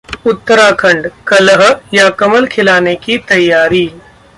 उत्तराखंड: कलह या कमल खिलाने की तैयारी?